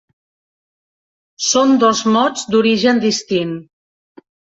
Són dos mots d'origen distint.